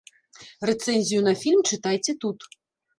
Рэцэнзію на фільм чытайце тут.